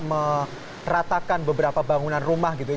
meratakan beberapa bangunan rumah